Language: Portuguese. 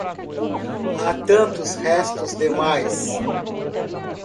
Há tantos restos demais.